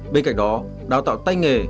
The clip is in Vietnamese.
bên cạnh đó đào tạo tay nghề